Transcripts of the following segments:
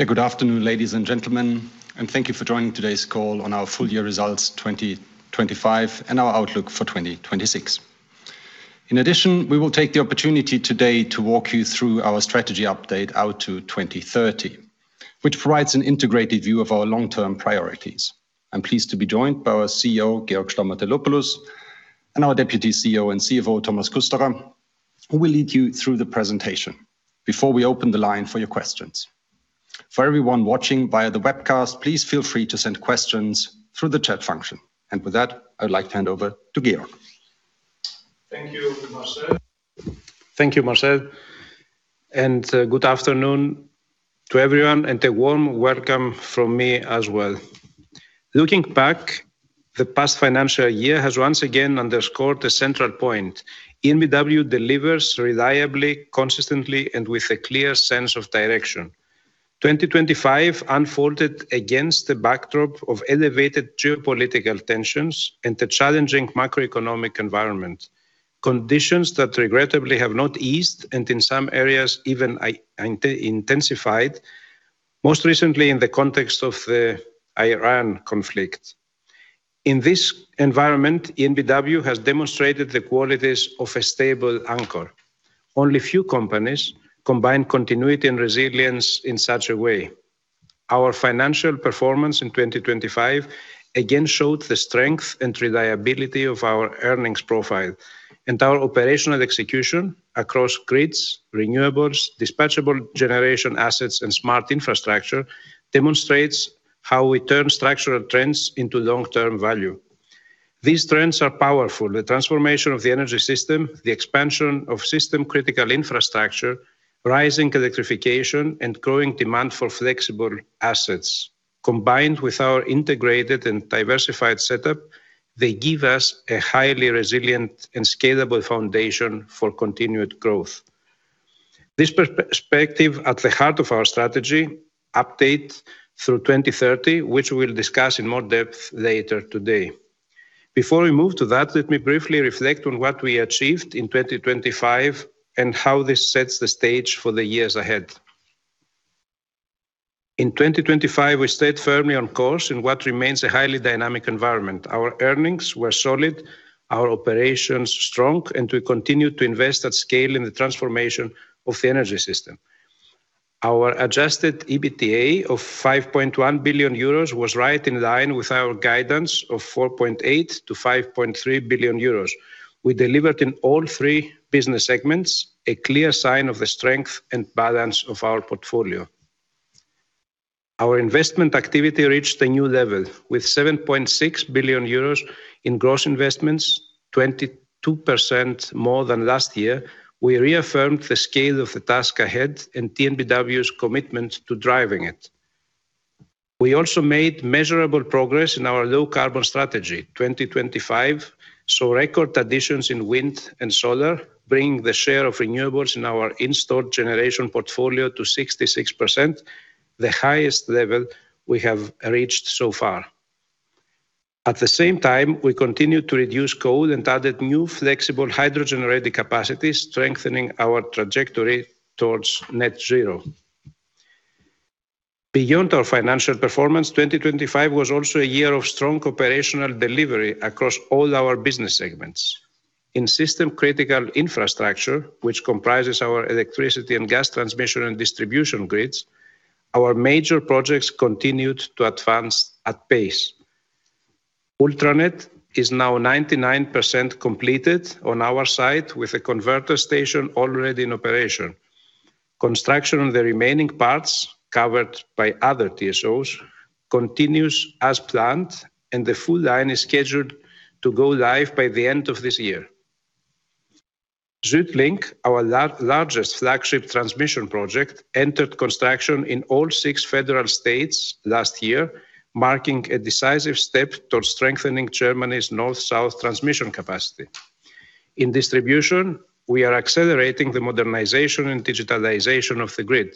Hey, good afternoon, ladies and gentlemen, and thank you for joining today's call on our full year results 2025 and our outlook for 2026. In addition, we will take the opportunity today to walk you through our strategy update out to 2030, which provides an integrated view of our long-term priorities. I'm pleased to be joined by our CEO, Georg Stamatelopoulos, and our Deputy CEO and CFO, Thomas Kusterer, who will lead you through the presentation before we open the line for your questions. For everyone watching via the webcast, please feel free to send questions through the chat function. With that, I'd like to hand over to Georg. Thank you, Marcel. Good afternoon to everyone, and a warm welcome from me as well. Looking back, the past financial year has once again underscored the central point. EnBW delivers reliably, consistently, and with a clear sense of direction. 2025 unfolded against the backdrop of elevated geopolitical tensions and the challenging macroeconomic environment. Conditions that regrettably have not eased and, in some areas, even intensified, most recently in the context of the Iran conflict. In this environment, EnBW has demonstrated the qualities of a stable anchor. Only few companies combine continuity and resilience in such a way. Our financial performance in 2025 again showed the strength and reliability of our earnings profile. Our operational execution across grids, renewables, dispatchable generation assets, and smart infrastructure demonstrates how we turn structural trends into long-term value. These trends are powerful. The transformation of the energy system, the expansion of System Critical Infrastructure, rising electrification, and growing demand for flexible assets. Combined with our integrated and diversified setup, they give us a highly resilient and scalable foundation for continued growth. This perspective at the heart of our strategy update through 2030, which we'll discuss in more depth later today. Before we move to that, let me briefly reflect on what we achieved in 2025 and how this sets the stage for the years ahead. In 2025, we stayed firmly on course in what remains a highly dynamic environment. Our earnings were solid, our operations strong, and we continued to invest at scale in the transformation of the energy system. Our adjusted EBITDA of 5.1 billion euros was right in line with our guidance of 4.8 billion-5.3 billion euros. We delivered in all three business segments, a clear sign of the strength and balance of our portfolio. Our investment activity reached a new level. With 7.6 billion euros in gross investments, 22% more than last year, we reaffirmed the scale of the task ahead and EnBW's commitment to driving it. We also made measurable progress in our low carbon strategy. 2025 saw record additions in wind and solar, bringing the share of renewables in our installed generation portfolio to 66%, the highest level we have reached so far. At the same time, we continued to reduce coal and added new flexible hydrogen-ready capacity, strengthening our trajectory towards net zero. Beyond our financial performance, 2025 was also a year of strong operational delivery across all our business segments. In System Critical Infrastructure, which comprises our electricity and gas transmission and distribution grids, our major projects continued to advance at pace. ULTRANET is now 99% completed on our side with a converter station already in operation. Construction on the remaining parts, covered by other TSOs, continues as planned, and the full line is scheduled to go live by the end of this year. SuedLink, our largest flagship transmission project, entered construction in all six federal states last year, marking a decisive step towards strengthening Germany's north-south transmission capacity. In distribution, we are accelerating the modernization and digitalization of the grid.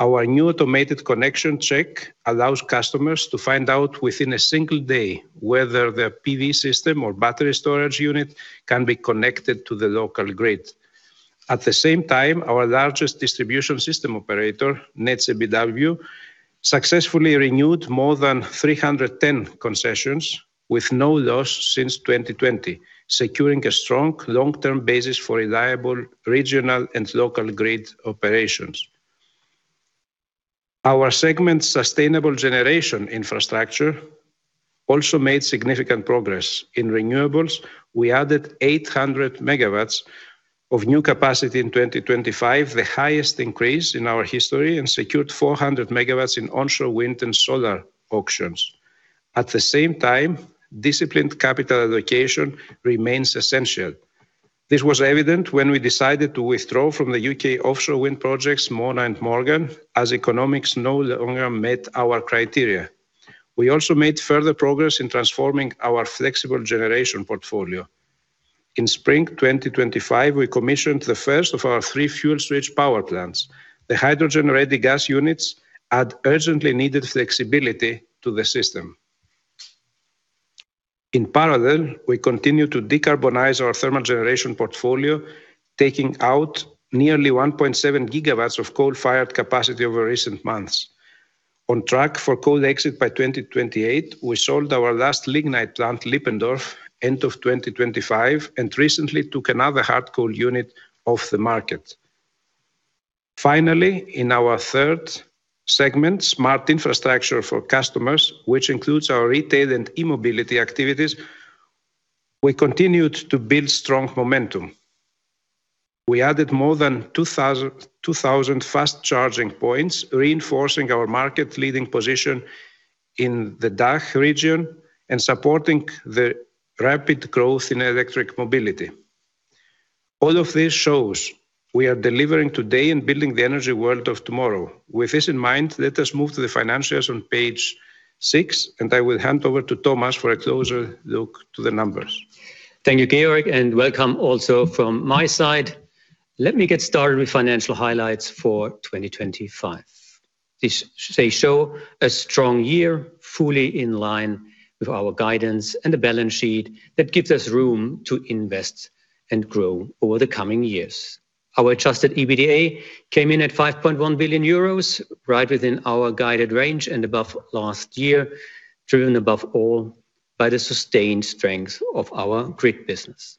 Our new automated connection check allows customers to find out within a single day whether their PV system or battery storage unit can be connected to the local grid. At the same time, our largest distribution system operator, Netze BW, successfully renewed more than 310 concessions with no loss since 2020, securing a strong long-term basis for reliable regional and local grid operations. Our segment Sustainable Generation Infrastructure also made significant progress. In renewables, we added 800 MW of new capacity in 2025, the highest increase in our history, and secured 400 MW in onshore wind and solar auctions. At the same time, disciplined capital allocation remains essential. This was evident when we decided to withdraw from the U.K. offshore wind projects, Mona and Morgan, as economics no longer met our criteria. We also made further progress in transforming our flexible generation portfolio. In spring 2025, we commissioned the first of our three fuel switch power plants. The hydrogen-ready gas units add urgently needed flexibility to the system. In parallel, we continue to decarbonize our thermal generation portfolio, taking out nearly 1.7 GW of coal-fired capacity over recent months. On track for coal exit by 2028, we sold our last lignite plant, Lippendorf, end of 2025, and recently took another hard coal unit off the market. Finally, in our third segment, Smart Infrastructure for Customers, which includes our retail and e-mobility activities, we continued to build strong momentum. We added more than 2000 fast charging points, reinforcing our market leading position in the DACH region and supporting the rapid growth in electric mobility. All of this shows we are delivering today and building the energy world of tomorrow. With this in mind, let us move to the financials on Page six, and I will hand over to Thomas for a closer look at the numbers. Thank you, Georg, and welcome also from my side. Let me get started with financial highlights for 2025. They show a strong year, fully in line with our guidance and a balance sheet that gives us room to invest and grow over the coming years. Our adjusted EBITDA came in at 5.1 billion euros, right within our guided range and above last year, driven above all by the sustained strength of our grid business.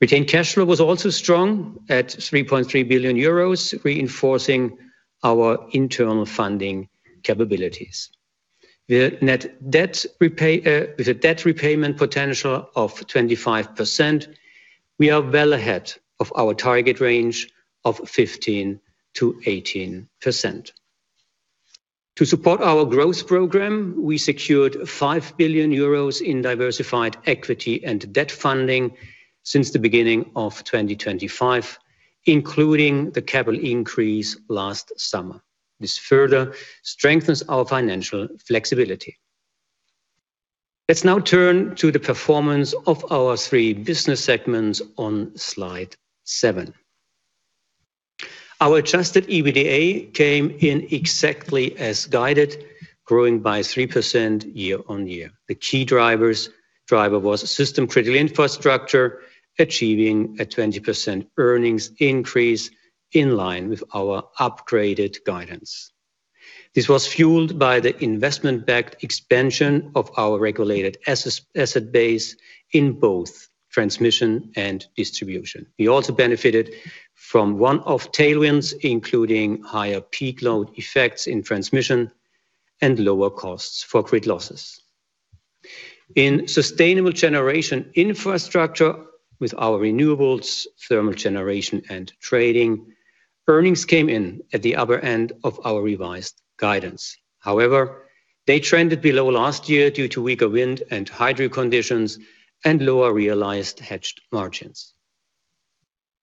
Retained cash flow was also strong at 3.3 billion euros, reinforcing our internal funding capabilities. The net debt repayment potential of 25%, we are well ahead of our target range of 15%-18%. To support our growth program, we secured 5 billion euros in diversified equity and debt funding since the beginning of 2025, including the capital increase last summer. This further strengthens our financial flexibility. Let's now turn to the performance of our three business segments on Slide seven. Our adjusted EBITDA came in exactly as guided, growing by 3% year-on-year. The key driver was System Critical Infrastructure, achieving a 20% earnings increase in line with our upgraded guidance. This was fueled by the investment-backed expansion of our regulated asset base in both transmission and distribution. We also benefited from one-off tailwinds, including higher peak load effects in transmission and lower costs for grid losses. In Sustainable Generation Infrastructure with our renewables, thermal generation, and trading, earnings came in at the upper end of our revised guidance. However, they trended below last year due to weaker wind and hydro conditions and lower realized hedged margins.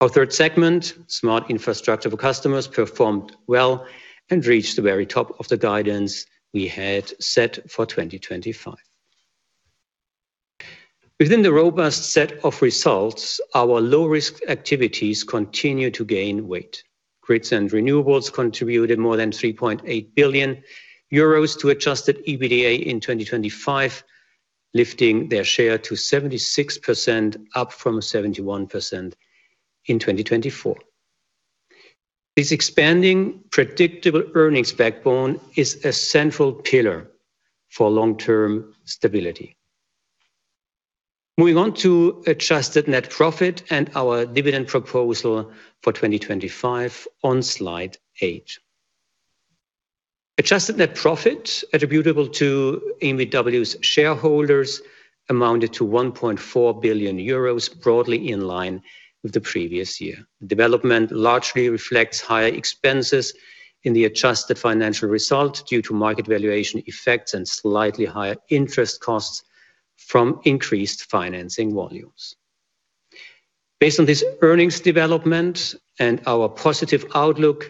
Our third segment, Smart Infrastructure for Customers, performed well and reached the very top of the guidance we had set for 2025. Within the robust set of results, our low-risk activities continue to gain weight. Grids and renewables contributed more than 3.8 billion euros to Adjusted EBITDA in 2025, lifting their share to 76%, up from 71% in 2024. This expanding predictable earnings backbone is a central pillar for long-term stability. Moving on to adjusted net profit and our dividend proposal for 2025 on Slide eigth. Adjusted net profit attributable to EnBW's shareholders amounted to 1.4 billion euros, broadly in line with the previous year. The development largely reflects higher expenses in the adjusted financial result due to market valuation effects and slightly higher interest costs from increased financing volumes. Based on this earnings development and our positive outlook,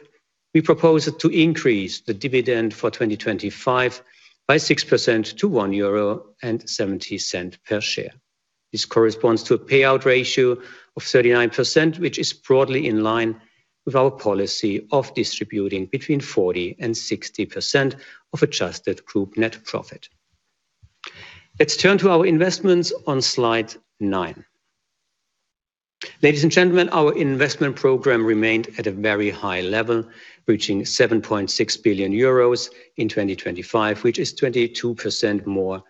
we propose to increase the dividend for 2025 by 6% to 1.70 euro per share. This corresponds to a payout ratio of 39%, which is broadly in line with our policy of distributing between 40% and 60% of adjusted group net profit. Let's turn to our investments on Slide nine. Ladies and gentlemen, our investment program remained at a very high level, reaching 7.6 billion euros in 2025, which is 22% more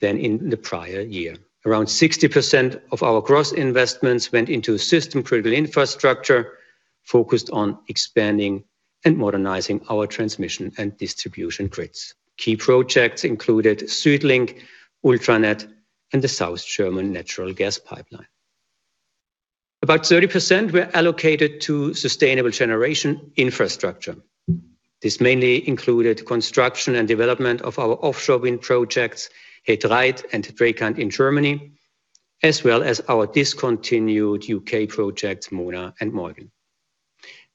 than in the prior year. Around 60% of our gross investments went into System Critical Infrastructure focused on expanding and modernizing our transmission and distribution grids. Key projects included SuedLink, ULTRANET, and the South German Natural Gas Pipeline. About 30% were allocated to Sustainable Generation Infrastructure. This mainly included construction and development of our offshore wind projects, He Dreiht and Dreekant in Germany, as well as our discontinued U.K. projects, Mona and Morgan.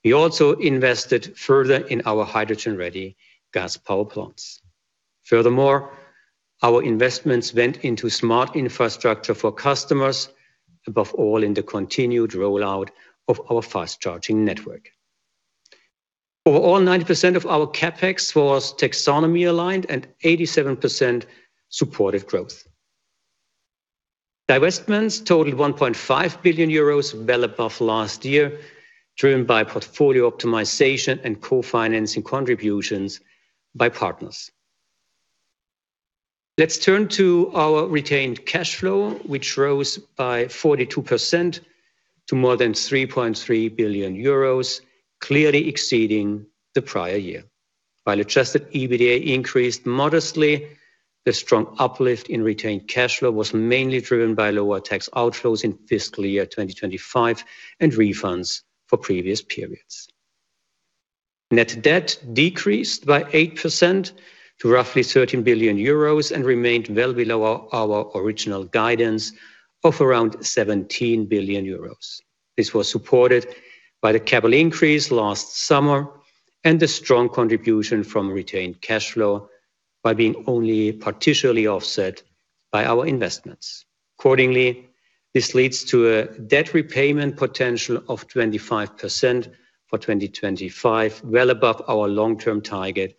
We also invested further in our hydrogen-ready gas power plants. Furthermore, our investments went into Smart Infrastructure for Customers, above all in the continued rollout of our fast charging network. Overall, 90% of our CapEx was taxonomy-aligned and 87% supported growth. Divestments totaled 1.5 billion euros, well above last year, driven by portfolio optimization and co-financing contributions by partners. Let's turn to our retained cash flow, which rose by 42% to more than 3.3 billion euros, clearly exceeding the prior year. While adjusted EBITDA increased modestly, the strong uplift in retained cash flow was mainly driven by lower tax outflows in fiscal year 2025 and refunds for previous periods. Net debt decreased by 8% to roughly 13 billion euros and remained well below our original guidance of around 17 billion euros. This was supported by the capital increase last summer and the strong contribution from retained cash flow by being only partially offset by our investments. Accordingly, this leads to a debt repayment potential of 25% for 2025, well above our long-term target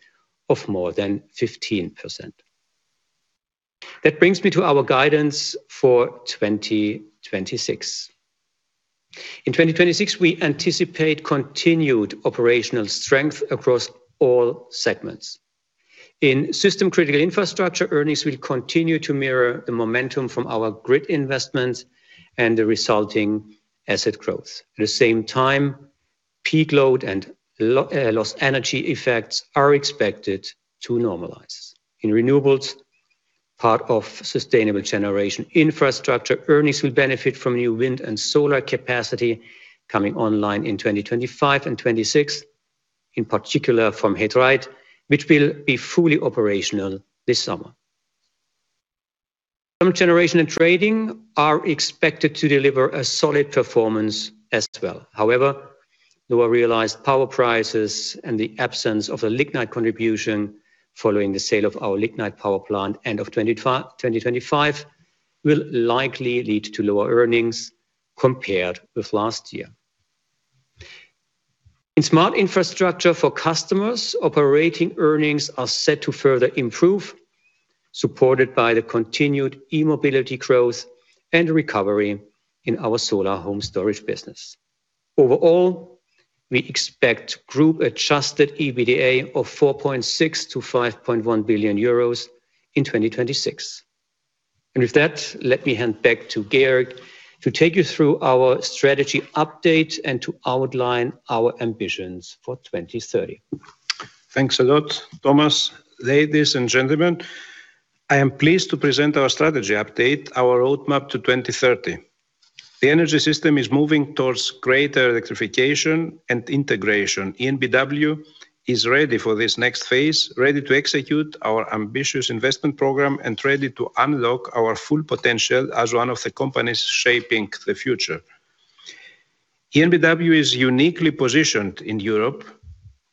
of more than 15%. That brings me to our guidance for 2026. In 2026, we anticipate continued operational strength across all segments. In System Critical Infrastructure, earnings will continue to mirror the momentum from our grid investments and the resulting asset growth. At the same time, peak load and lost energy effects are expected to normalize. In renewables, part of Sustainable Generation Infrastructure earnings will benefit from new wind and solar capacity coming online in 2025 and 2026, in particular from He Dreiht, which will be fully operational this summer. Thermal generation and trading are expected to deliver a solid performance as well. However, lower realized power prices and the absence of a lignite contribution following the sale of our lignite power plant end of 2025 will likely lead to lower earnings compared with last year. In Smart Infrastructure for Customers, operating earnings are set to further improve, supported by the continued e-mobility growth and recovery in our solar home storage business. Overall, we expect group adjusted EBITDA of 4.6 billion-5.1 billion euros in 2026. With that, let me hand back to Georg to take you through our strategy update and to outline our ambitions for 2030. Thanks a lot, Thomas. Ladies and gentlemen, I am pleased to present our strategy update, our roadmap to 2030. The energy system is moving towards greater electrification and integration. EnBW is ready for this next phase, ready to execute our ambitious investment program, and ready to unlock our full potential as one of the companies shaping the future. EnBW is uniquely positioned in Europe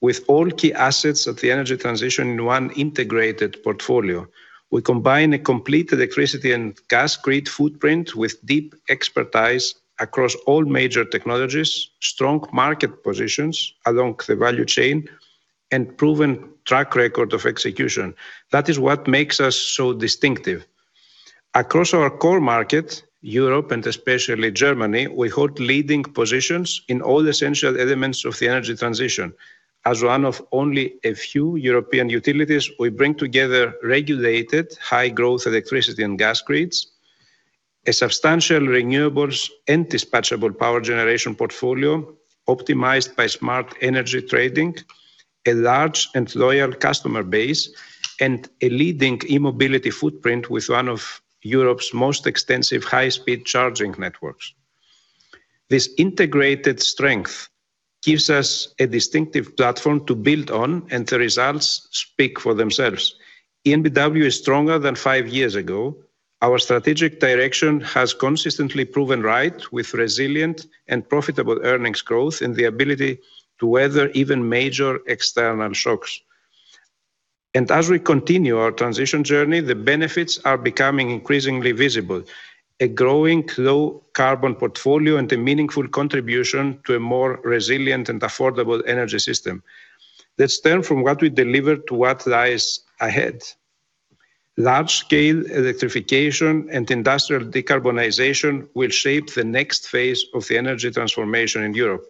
with all key assets of the energy transition in one integrated portfolio. We combine a complete electricity and gas grid footprint with deep expertise across all major technologies, strong market positions along the value chain, and proven track record of execution. That is what makes us so distinctive. Across our core market, Europe and especially Germany, we hold leading positions in all essential elements of the energy transition. As one of only a few European utilities, we bring together regulated high growth electricity and gas grids, a substantial renewables and dispatchable power generation portfolio optimized by smart energy trading, a large and loyal customer base, and a leading e-mobility footprint with one of Europe's most extensive high-speed charging networks. This integrated strength gives us a distinctive platform to build on, and the results speak for themselves. EnBW is stronger than five years ago. Our strategic direction has consistently proven right with resilient and profitable earnings growth and the ability to weather even major external shocks. As we continue our transition journey, the benefits are becoming increasingly visible, a growing low carbon portfolio and a meaningful contribution to a more resilient and affordable energy system. Let's turn from what we deliver to what lies ahead. Large scale electrification and industrial decarbonization will shape the next phase of the energy transformation in Europe.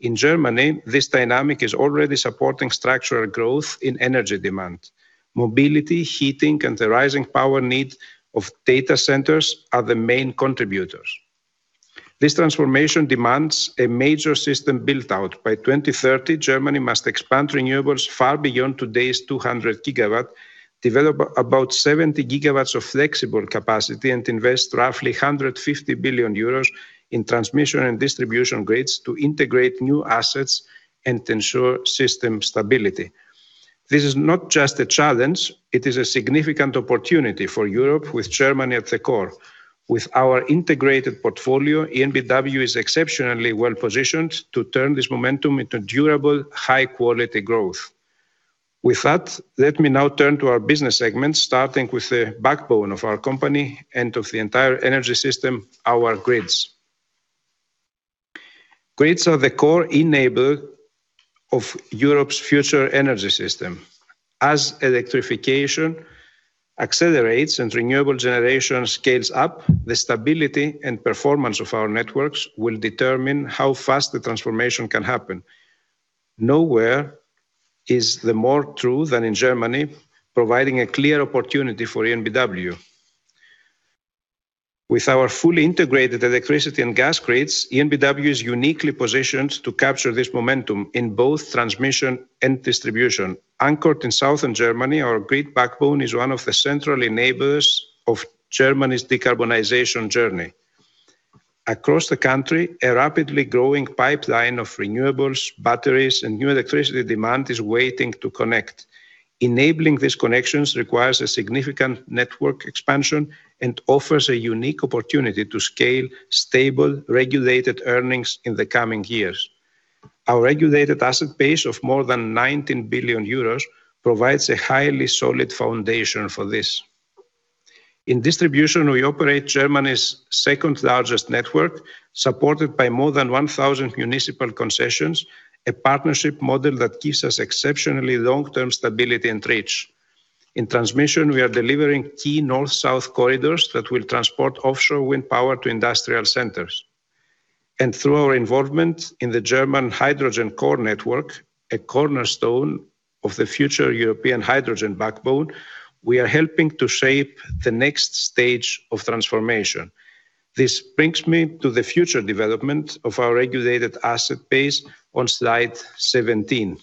In Germany, this dynamic is already supporting structural growth in energy demand. Mobility, heating, and the rising power need of data centers are the main contributors. This transformation demands a major system build-out. By 2030, Germany must expand renewables far beyond today's 200 gigawatts, develop about 70 GW of flexible capacity, and invest roughly 150 billion euros in transmission and distribution grids to integrate new assets and ensure system stability. This is not just a challenge, it is a significant opportunity for Europe with Germany at the core. With our integrated portfolio, EnBW is exceptionally well-positioned to turn this momentum into durable, high-quality growth. With that, let me now turn to our business segments, starting with the backbone of our company and of the entire energy system, our grids. Grids are the core enabler of Europe's future energy system. As electrification accelerates and renewable generation scales up, the stability and performance of our networks will determine how fast the transformation can happen. Nowhere is the more true than in Germany, providing a clear opportunity for EnBW. With our fully integrated electricity and gas grids, EnBW is uniquely positioned to capture this momentum in both transmission and distribution. Anchored in Southern Germany, our grid backbone is one of the central enablers of Germany's decarbonization journey. Across the country, a rapidly growing pipeline of renewables, batteries, and new electricity demand is waiting to connect. Enabling these connections requires a significant network expansion and offers a unique opportunity to scale stable, regulated earnings in the coming years. Our regulated asset base of more than 19 billion euros provides a highly solid foundation for this. In distribution, we operate Germany's second-largest network, supported by more than 1,000 municipal concessions, a partnership model that gives us exceptionally long-term stability and reach. In transmission, we are delivering key north-south corridors that will transport offshore wind power to industrial centers. Through our involvement in the German Hydrogen Core Network, a cornerstone of the future European hydrogen backbone, we are helping to shape the next stage of transformation. This brings me to the future development of our regulated asset base on Slide 17.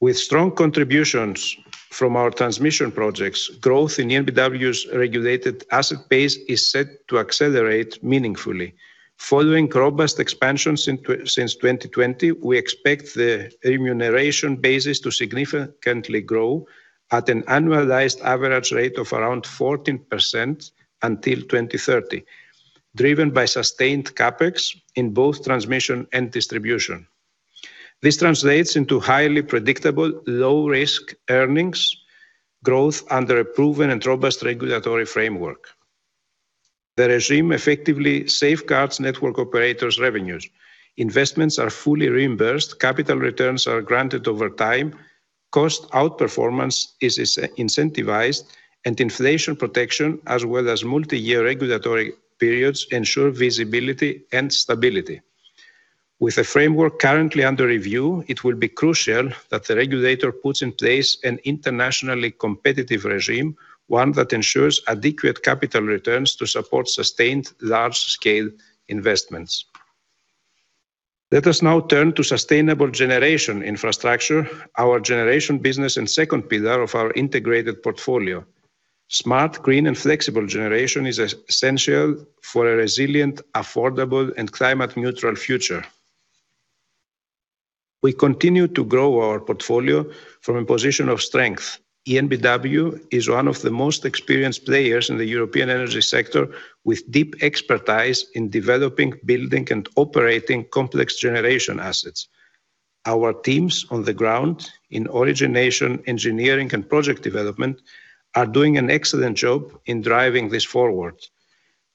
With strong contributions from our transmission projects, growth in EnBW's regulated asset base is set to accelerate meaningfully. Following robust expansions since 2020, we expect the remuneration bases to significantly grow at an annualized average rate of around 14% until 2030, driven by sustained CapEx in both transmission and distribution. This translates into highly predictable low-risk earnings growth under a proven and robust regulatory framework. The regime effectively safeguards network operators' revenues. Investments are fully reimbursed, capital returns are granted over time, cost outperformance is incentivized, and inflation protection as well as multi-year regulatory periods ensure visibility and stability. With the framework currently under review, it will be crucial that the regulator puts in place an internationally competitive regime, one that ensures adequate capital returns to support sustained large-scale investments. Let us now turn to Sustainable Generation Infrastructure, our generation business and second pillar of our integrated portfolio. Smart, green, and flexible generation is essential for a resilient, affordable, and climate-neutral future. We continue to grow our portfolio from a position of strength. EnBW is one of the most experienced players in the European energy sector with deep expertise in developing, building, and operating complex generation assets. Our teams on the ground in origination, engineering, and project development are doing an excellent job in driving this forward.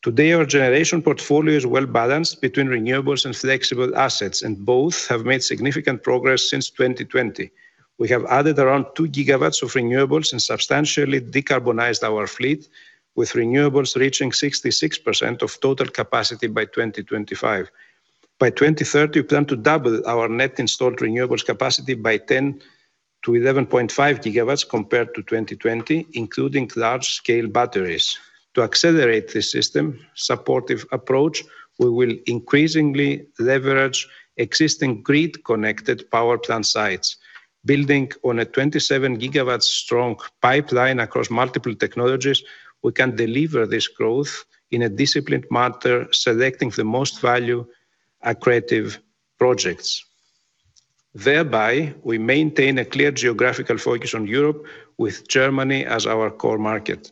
Today, our generation portfolio is well-balanced between renewables and flexible assets, and both have made significant progress since 2020. We have added around 2 GW of renewables and substantially decarbonized our fleet, with renewables reaching 66% of total capacity by 2025. By 2030, we plan to double our net installed renewables capacity by 10 GW-11.5 GW compared to 2020, including large-scale batteries. To accelerate this system-supportive approach, we will increasingly leverage existing grid-connected power plant sites. Building on a 27 GW strong pipeline across multiple technologies, we can deliver this growth in a disciplined manner, selecting the most value accretive projects. Thereby, we maintain a clear geographical focus on Europe with Germany as our core market.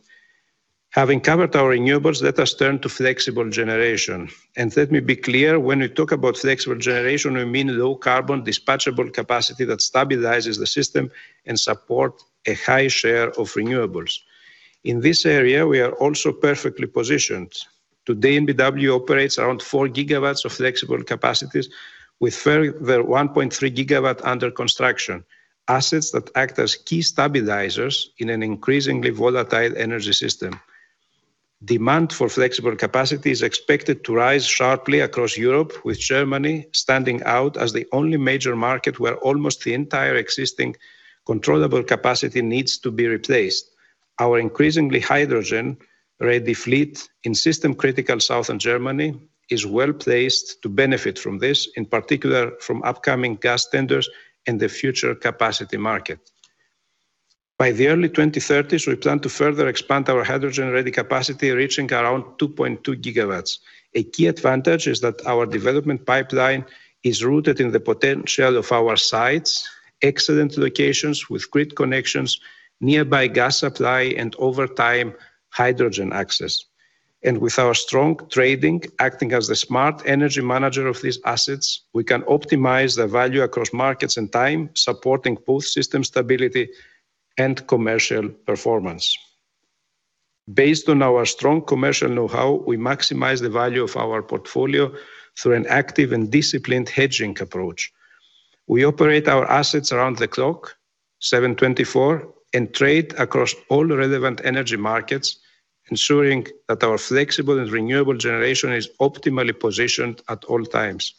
Having covered our renewables, let us turn to flexible generation. Let me be clear, when we talk about flexible generation, we mean low carbon dispatchable capacity that stabilizes the system and support a high share of renewables. In this area, we are also perfectly positioned. Today, EnBW operates around 4 GW of flexible capacities with further 1.3 GW under construction. Assets that act as key stabilizers in an increasingly volatile energy system. Demand for flexible capacity is expected to rise sharply across Europe, with Germany standing out as the only major market where almost the entire existing controllable capacity needs to be replaced. Our increasingly hydrogen-ready fleet in System Critical Southern Germany is well-placed to benefit from this, in particular from upcoming gas tenders and the future capacity market. By the early 2030s, we plan to further expand our hydrogen-ready capacity, reaching around 2.2 GW. A key advantage is that our development pipeline is rooted in the potential of our sites, excellent locations with grid connections, nearby gas supply, and over time, hydrogen access. With our strong trading acting as the smart energy manager of these assets, we can optimize the value across markets and time, supporting both system stability and commercial performance. Based on our strong commercial know-how, we maximize the value of our portfolio through an active and disciplined hedging approach. We operate our assets around the clock, 24/7, and trade across all relevant energy markets, ensuring that our flexible and renewable generation is optimally positioned at all times.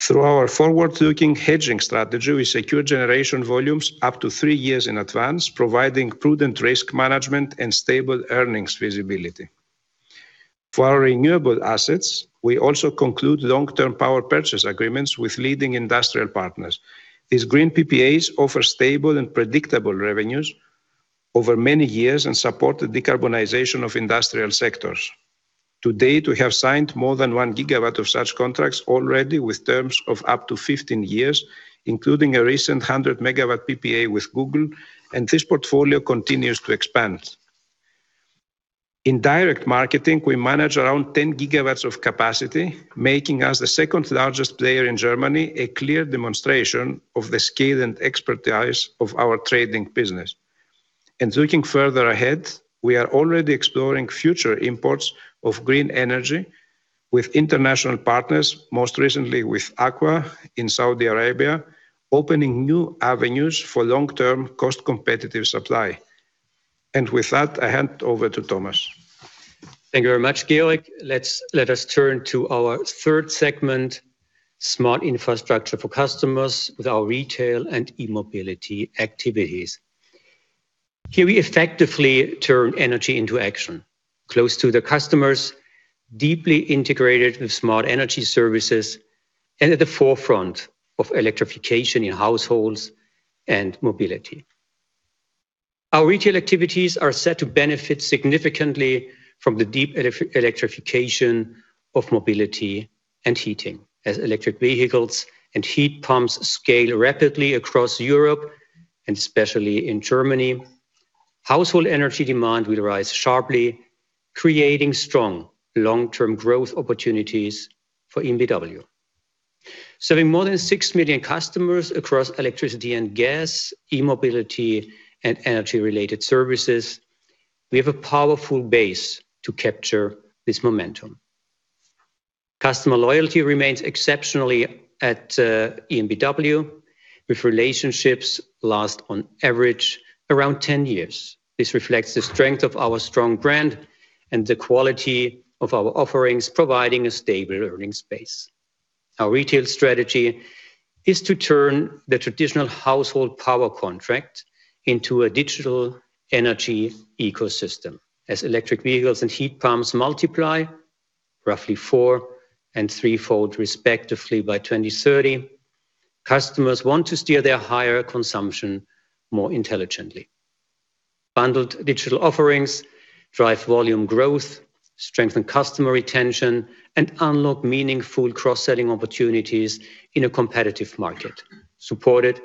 Through our forward-looking hedging strategy, we secure generation volumes up to three years in advance, providing prudent risk management and stable earnings visibility. For our renewable assets, we also conclude long-term power purchase agreements with leading industrial partners. These green PPAs offer stable and predictable revenues over many years and support the decarbonization of industrial sectors. To date, we have signed more than 1 GW of such contracts already with terms of up to 15 years, including a recent 100 MW PPA with Google, and this portfolio continues to expand. In direct marketing, we manage around 10 GW of capacity, making us the second-largest player in Germany, a clear demonstration of the scale and expertise of our trading business. Looking further ahead, we are already exploring future imports of green energy with international partners, most recently with ACWA in Saudi Arabia, opening new avenues for long-term cost competitive supply. With that, I hand over to Thomas. Thank you very much, Georg. Let us turn to our third segment, Smart Infrastructure for Customers with our retail and e-mobility activities. Here we effectively turn energy into action, close to the customers, deeply integrated with smart energy services, and at the forefront of electrification in households and mobility. Our retail activities are set to benefit significantly from the deep electrification of mobility and heating. As electric vehicles and heat pumps scale rapidly across Europe, and especially in Germany, household energy demand will rise sharply, creating strong long-term growth opportunities for EnBW. Serving more than 6 million customers across electricity and gas, e-mobility, and energy related services, we have a powerful base to capture this momentum. Customer loyalty remains exceptionally at EnBW, with relationships lasting on average around 10 years. This reflects the strength of our strong brand and the quality of our offerings providing a stable earning space. Our retail strategy is to turn the traditional household power contract into a digital energy ecosystem. As electric vehicles and heat pumps multiply, roughly fourfold and threefold respectively by 2030, customers want to steer their higher consumption more intelligently. Bundled digital offerings drive volume growth, strengthen customer retention, and unlock meaningful cross-selling opportunities in a competitive market, supported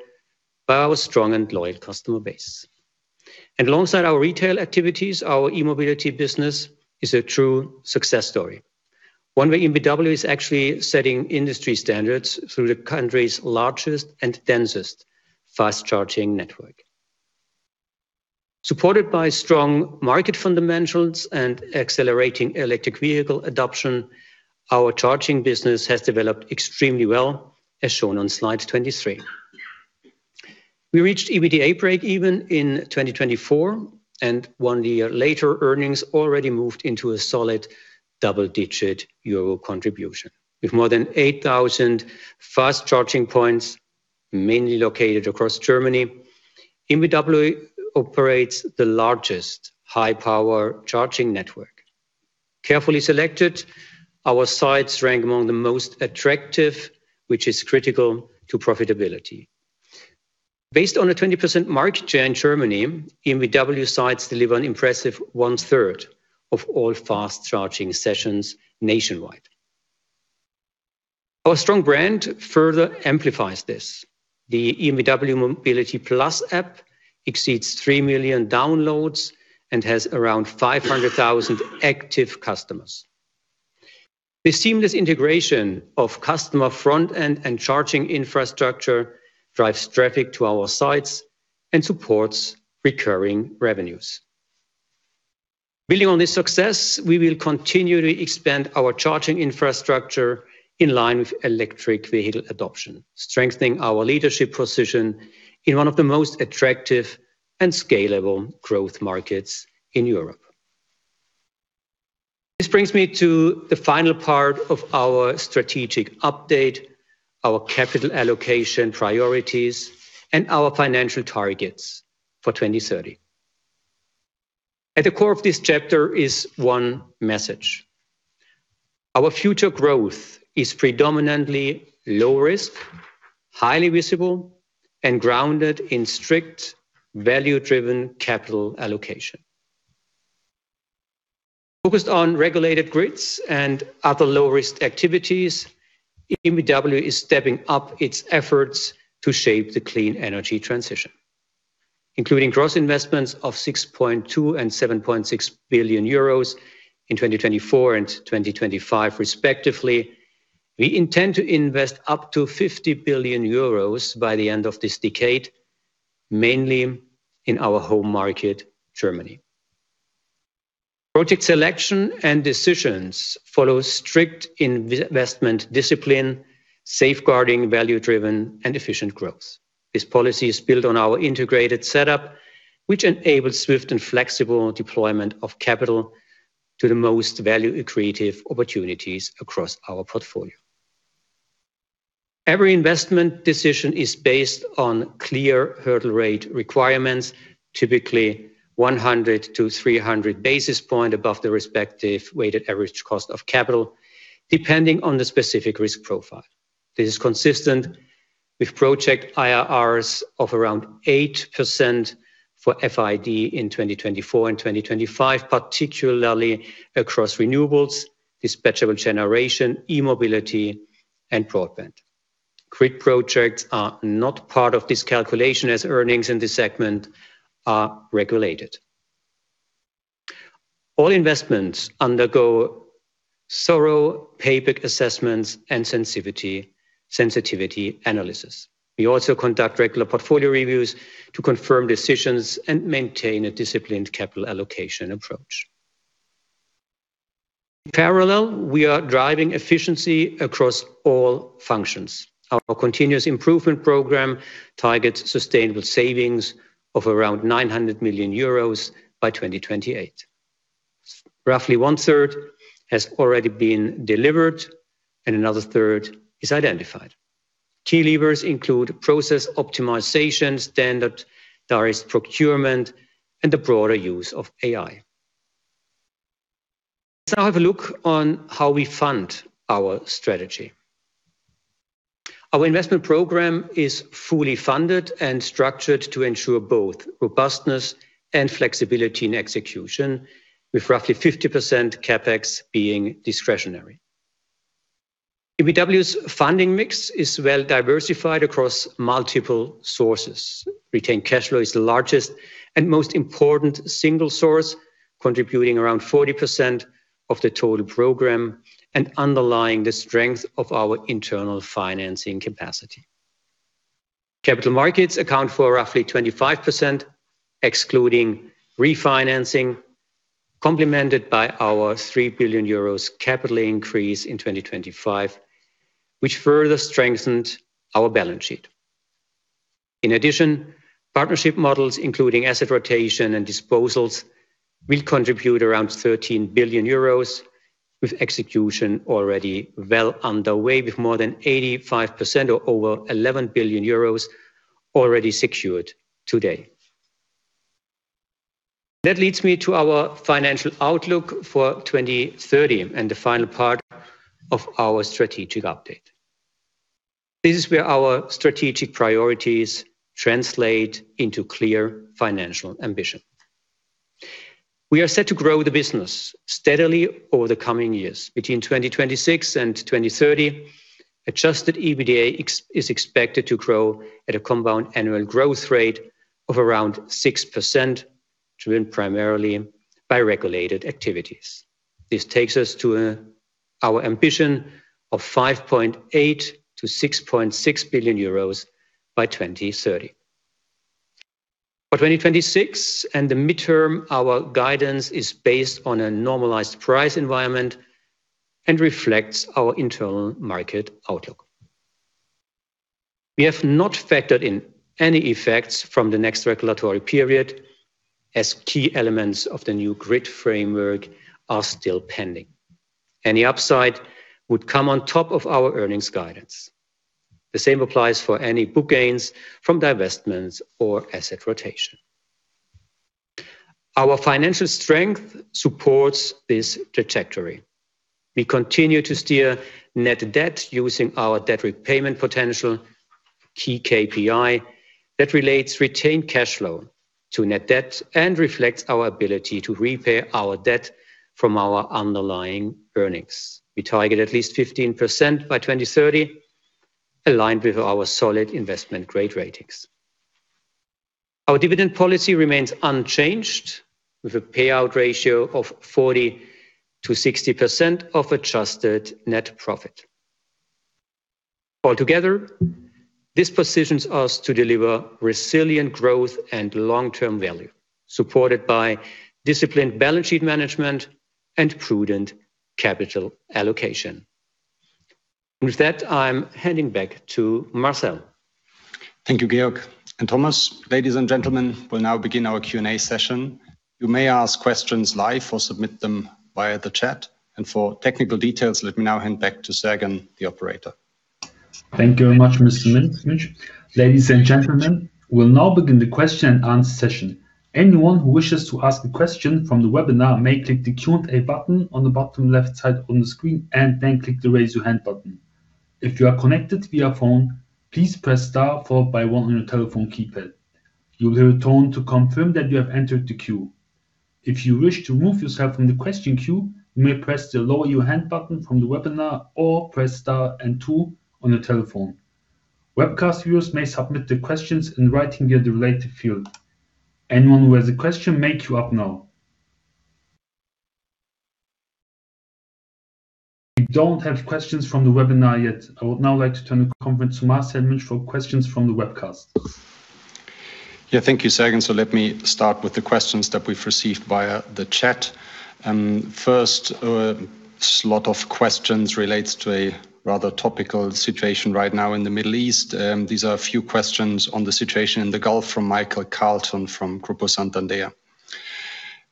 by our strong and loyal customer base. Alongside our retail activities, our e-mobility business is a true success story. One way EnBW is actually setting industry standards through the country's largest and densest fast-charging network. Supported by strong market fundamentals and accelerating electric vehicle adoption, our charging business has developed extremely well, as shown on Slide 23. We reached EBITDA breakeven in 2024, and one year later, earnings already moved into a solid double-digit EUR contribution. With more than 8,000 fast charging points, mainly located across Germany, EnBW operates the largest high-power charging network. Carefully selected, our sites rank among the most attractive, which is critical to profitability. Based on a 20% market share in Germany, EnBW sites deliver an impressive 1/3 of all fast charging sessions nationwide. Our strong brand further amplifies this. The EnBW mobility+ app exceeds 3 million downloads and has around 500,000 active customers. The seamless integration of customer front end and charging infrastructure drives traffic to our sites and supports recurring revenues. Building on this success, we will continue to expand our charging infrastructure in line with electric vehicle adoption, strengthening our leadership position in one of the most attractive and scalable growth markets in Europe. This brings me to the final part of our strategic update, our capital allocation priorities, and our financial targets for 2030. At the core of this chapter is one message. Our future growth is predominantly low-risk, highly visible, and grounded in strict value-driven capital allocation. Focused on regulated grids and other low-risk activities, EnBW is stepping up its efforts to shape the clean energy transition, including gross investments of 6.2 billion and 7.6 billion euros in 2024 and 2025 respectively. We intend to invest up to 50 billion euros by the end of this decade, mainly in our home market, Germany. Project selection and decisions follow strict investment discipline, safeguarding value-driven and efficient growth. This policy is built on our integrated setup, which enables swift and flexible deployment of capital to the most value-creating opportunities across our portfolio. Every investment decision is based on clear hurdle rate requirements, typically 100 to 300 basis points above the respective weighted average cost of capital, depending on the specific risk profile. This is consistent with project IRRs of around 8% for FID in 2024 and 2025, particularly across renewables, dispatchable generation, e-mobility and broadband. Grid projects are not part of this calculation as earnings in this segment are regulated. All investments undergo thorough payback assessments and sensitivity analysis. We also conduct regular portfolio reviews to confirm decisions and maintain a disciplined capital allocation approach. In parallel, we are driving efficiency across all functions. Our continuous improvement program targets sustainable savings of around 900 million euros by 2028. Roughly 1/3 has already been delivered and another third is identified. Key levers include process optimization, standardized procurement, and the broader use of AI. Let's now have a look on how we fund our strategy. Our investment program is fully funded and structured to ensure both robustness and flexibility in execution, with roughly 50% CapEx being discretionary. EnBW's funding mix is well diversified across multiple sources. Retained cash flow is the largest and most important single source, contributing around 40% of the total program and underlying the strength of our internal financing capacity. Capital markets account for roughly 25%, excluding refinancing, complemented by our 3 billion euros capital increase in 2025, which further strengthened our balance sheet. In addition, partnership models, including asset rotation and disposals, will contribute around 13 billion euros, with execution already well underway, with more than 85% or over 11 billion euros already secured today. That leads me to our financial outlook for 2030 and the final part of our strategic update. This is where our strategic priorities translate into clear financial ambition. We are set to grow the business steadily over the coming years. Between 2026 and 2030, adjusted EBITDA is expected to grow at a compound annual growth rate of around 6%, driven primarily by regulated activities. This takes us to our ambition of 5.8 billion-6.6 billion euros by 2030. For 2026 and the midterm, our guidance is based on a normalized price environment and reflects our internal market outlook. We have not factored in any effects from the next regulatory period, as key elements of the new grid framework are still pending. Any upside would come on top of our earnings guidance. The same applies for any book gains from divestments or asset rotation. Our financial strength supports this trajectory. We continue to steer net debt using our debt repayment potential key KPI that relates retained cash flow to net debt and reflects our ability to repay our debt from our underlying earnings. We target at least 15% by 2030, aligned with our solid investment grade ratings. Our dividend policy remains unchanged, with a payout ratio of 40%-60% of adjusted net profit. Altogether, this positions us to deliver resilient growth and long-term value, supported by disciplined balance sheet management and prudent capital allocation. With that, I'm handing back to Marcel. Thank you, Georg and Thomas. Ladies and gentlemen, we'll now begin our Q&A session. You may ask questions live or submit them via the chat. For technical details, let me now hand back to Sergen, the operator. Thank you very much, Mr. Münch. Ladies and gentlemen, we'll now begin the questio-and-answer session. Anyone who wishes to ask a question from the webinar may click the Q&A button on the bottom left side of the screen and then click the Raise Your Hand button. If you are connected via phone, please press star followed by one on your telephone keypad. You will hear a tone to confirm that you have entered the queue. If you wish to remove yourself from the question queue, you may press the Lower Your Hand button from the webinar or press star and two on your telephone. Webcast viewers may submit the questions in writing via the related field. Anyone who has a question, make queue up now. We don't have questions from the webinar yet. I would now like to turn the conference to Marcel Münch for questions from the webcast. Yeah, thank you, Sergen. Let me start with the questions that we've received via the chat. First slot of questions relates to a rather topical situation right now in the Middle East. These are a few questions on the situation in the Gulf from Michael Charlton from Banco Santander.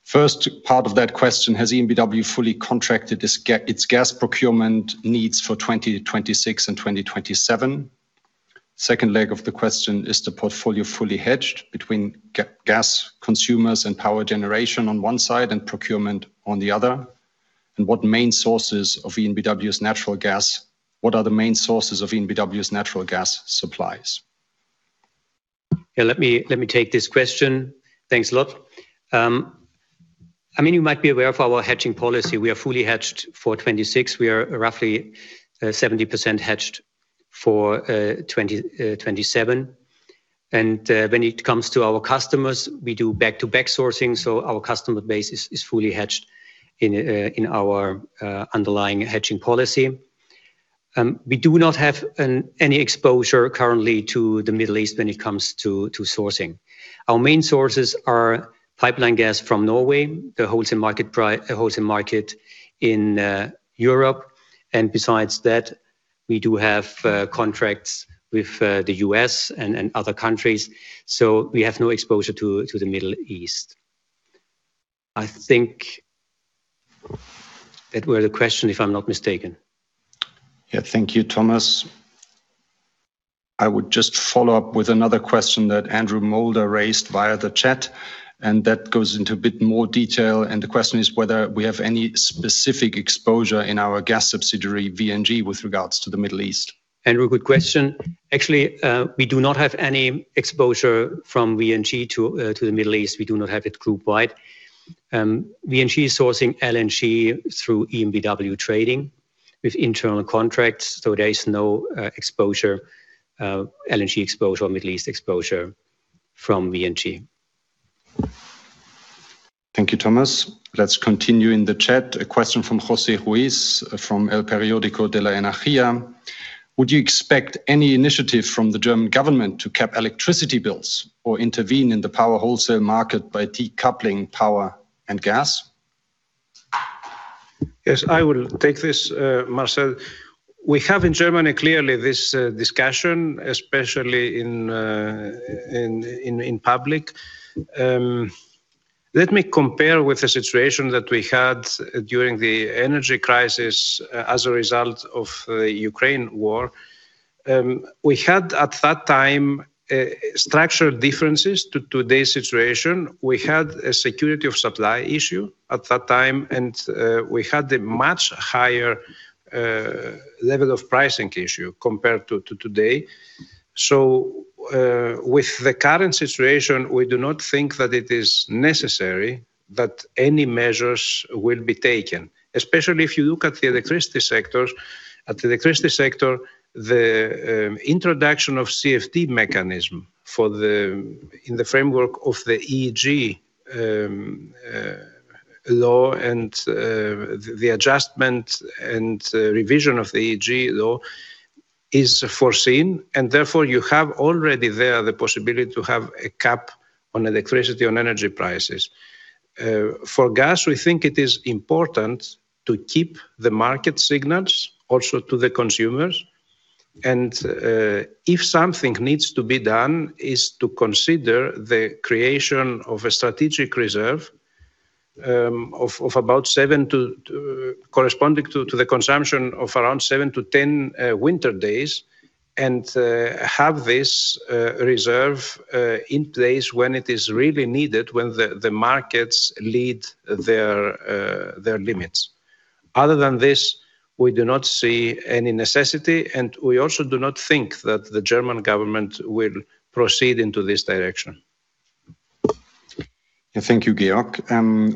First part of that question: Has EnBW fully contracted its gas procurement needs for 2026 and 2027? Second leg of the question: Is the portfolio fully hedged between gas consumers and power generation on one side and procurement on the other? What are the main sources of EnBW's natural gas supplies? Yeah, let me take this question. Thanks a lot. I mean, you might be aware of our hedging policy. We are fully hedged for 2026. We are roughly 70% hedged for 2027. When it comes to our customers, we do back-to-back sourcing, so our customer base is fully hedged in our underlying hedging policy. We do not have any exposure currently to the Middle East when it comes to sourcing. Our main sources are pipeline gas from Norway, the wholesale market in Europe. Besides that, we do have contracts with the U.S. and other countries, so we have no exposure to the Middle East. I think that was the question, if I'm not mistaken. Yeah. Thank you, Thomas. I would just follow up with another question that Andrew Moulder raised via the chat, and that goes into a bit more detail. The question is whether we have any specific exposure in our gas subsidiary, VNG, with regards to the Middle East. Andrew, good question. Actually, we do not have any exposure from VNG to the Middle East. We do not have it group wide. VNG is sourcing LNG through EnBW trading with internal contracts, so there is no exposure, LNG exposure or Middle East exposure from VNG. Thank you, Thomas. Let's continue in the chat. A question from José Ruiz from El Periódico de la Energía. Would you expect any initiative from the German government to cap electricity bills or intervene in the power wholesale market by decoupling power and gas? Yes, I will take this, Marcel. We have in Germany clearly this discussion, especially in public. Let me compare with the situation that we had during the energy crisis as a result of the Ukraine war. We had at that time structural differences to today's situation. We had a security of supply issue at that time, and we had a much higher level of pricing issue compared to today. With the current situation, we do not think that it is necessary that any measures will be taken, especially if you look at the electricity sectors. In the electricity sector, the introduction of CFD mechanism in the framework of the Erneuerbare-Energien-Gesetz law and the adjustment and revision of the EEG law is foreseen, and therefore you have already there the possibility to have a cap on electricity on energy prices. For gas, we think it is important to keep the market signals also to the consumers. If something needs to be done, it is to consider the creation of a strategic reserve of about 7-10, corresponding to the consumption of around 7-10 winter days, and have this reserve in place when it is really needed, when the markets reach their limits. Other than this, we do not see any necessity, and we also do not think that the German government will proceed in this direction. Yeah. Thank you, Georg.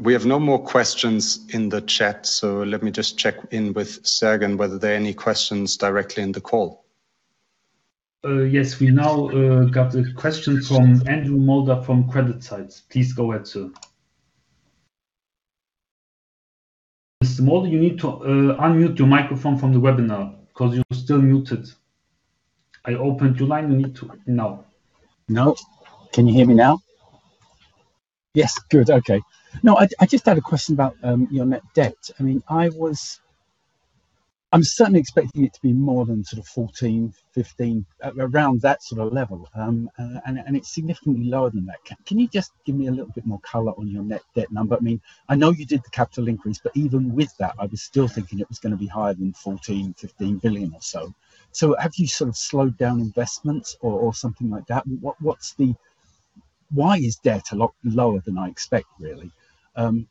We have no more questions in the chat, so let me just check in with Sergen whether there are any questions directly in the call. Yes. We now got a question from Andrew Moulder from CreditSights. Please go ahead, sir. Mr. Moulder, you need to unmute your microphone from the webinar because you're still muted. I opened your line, you need to now. Can you hear me now? Yes. Good. Okay. No, I just had a question about your net debt. I mean, I'm certainly expecting it to be more than sort of 14 billion-15 billion, around that sort of level. And it's significantly lower than that. Can you just give me a little bit more color on your net debt number? I mean, I know you did the capital increase, but even with that, I was still thinking it was gonna be higher than 14 billion-15 billion or so. Have you sort of slowed down investments or something like that? Why is debt a lot lower than I expect, really? And